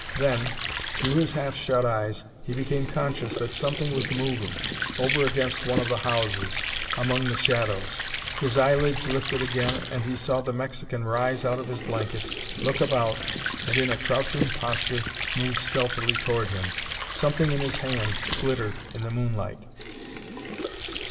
Then, through his half shut eyes, he became conscious that something was moving, over against one of the houses, among the shadows. His eyelids lifted again and he saw the Mexican rise out of his blanket, look about, and in a crouching posture move stealthily toward him. Something in his hand glittered in the moonlight.